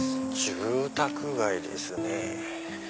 住宅街ですね。